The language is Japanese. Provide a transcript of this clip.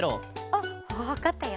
あっわかったよ！